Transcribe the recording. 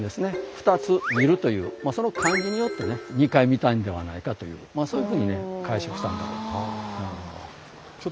「二つ見る」というその漢字によってね二回見たんではないかというそういうふうにね解釈したんだろうと。